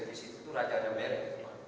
di situ tuh raja raja merek